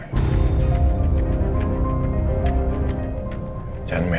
saya udah capanyik puh